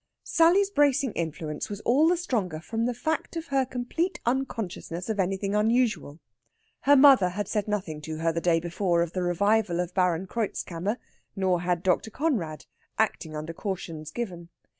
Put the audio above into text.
Sally's bracing influence was all the stronger from the fact of her complete unconsciousness of anything unusual. Her mother had said nothing to her the day before of the revival of Baron Kreutzkammer, nor had Dr. Conrad, acting under cautions given.